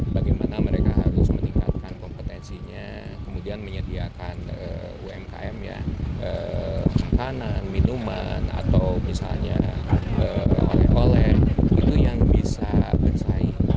bagaimana mereka harus meningkatkan kompetensinya kemudian menyediakan umkm ya makanan minuman atau misalnya oleh oleh itu yang bisa bersaing